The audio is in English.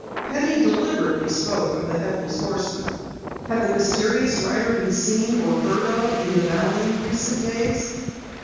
Penny deliberately spoke of the Headless Horseman. Had the mysterious rider been seen or heard of in the Valley in recent days?